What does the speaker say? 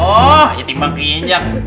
oh ya timbang keinjak